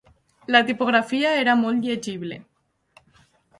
La tipografia era molt llegible.